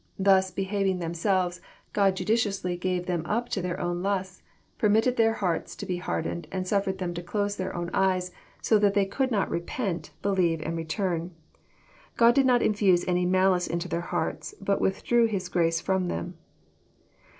Thus behaving them selves, God judicially gave them np to their own lusts, per mitted their hearts to harden, and suffered them to close their own eyes, so that they could not repent, believe, or retnrn. God did not infbse any malice into their hearts, but withdrew His grace Arom them."